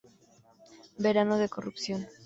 Verano de corrupción